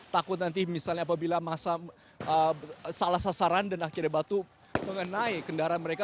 takut nanti misalnya apabila masa salah sasaran dan akhirnya batu mengenai kendaraan mereka